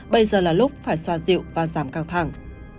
bây giờ là lúc phải xoa dịu và giảm căng thẳng